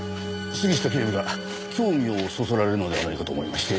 杉下警部が興味をそそられるのではないかと思いまして。